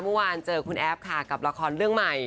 เมื่อวานเจอคุณแอฟค่ะกับละครเรื่องใหม่